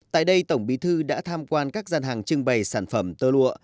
tại đây tổng bí thư đã tham quan các gian hàng trưng bày sản phẩm tơ lụa